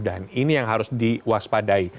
dan ini yang harus diwaspadai